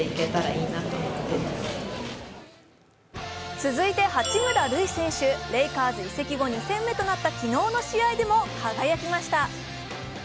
続いて八村塁選手、レイカーズ移籍後２戦目となった昨日の試合でも輝きました。